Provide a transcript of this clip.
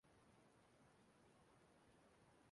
Isi ya bu Ikeja.